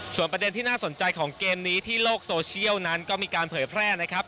ส่วนประเด็นที่น่าสนใจของเกมนี้ที่โลกโซเชียลนั้นก็มีการเผยแพร่นะครับ